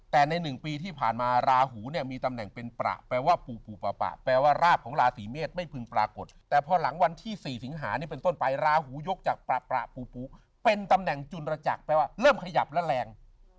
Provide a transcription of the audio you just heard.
แต่ใน๑ปีที่ผ่านมาราหูเนี่ยมีตำแหน่งเป็นประแปลว่าปูปูปะแปลว่าราบของราศีเมษไม่พึงปรากฏแต่พอหลังวันที่๔สิงหานี้เป็นต้นไปราหูยกจากประปูปูเป็นตำแหน่งจุลจักรแปลว่าเริ่มขยับและแรง